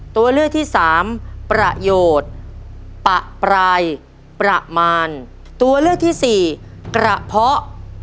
ตัวเลือกที่สามประโยชน์ปะปลายประมาณตัวเลือกที่สี่กระเพาะ